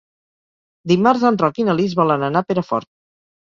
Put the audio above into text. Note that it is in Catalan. Dimarts en Roc i na Lis volen anar a Perafort.